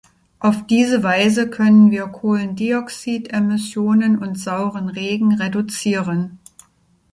Auf diese Weise können wir Kohlendioxid-Emissionen und sauren Regen reduzieren.